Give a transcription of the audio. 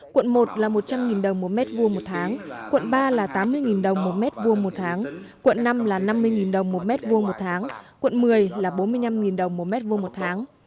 quận một là một trăm linh đồng một mét vuông một tháng quận ba là tám mươi đồng một mét vuông một tháng quận năm là năm mươi đồng một mét vuông một tháng quận một mươi là bốn mươi năm đồng một mét vuông một tháng